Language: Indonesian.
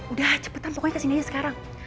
udah cepetan pokoknya kesini aja sekarang